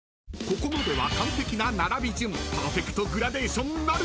［ここまでは完璧な並び順パーフェクトグラデーションなるか？］